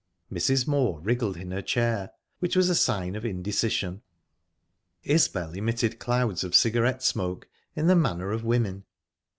Mrs. Moor wriggled in her chair, which was a sign of indecision. Isbel emitted clouds of cigarette smoke, in the manner of women.